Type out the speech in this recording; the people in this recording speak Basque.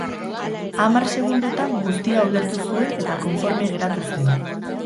Hamar segundotan guztia ulertu zuen eta konforme geratu zen.